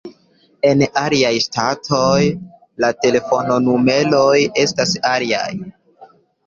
En aliaj ŝtatoj la telefonnumeroj estas aliaj.